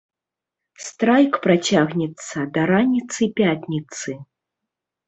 Страйк працягнецца да раніцы пятніцы.